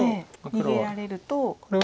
逃げられると。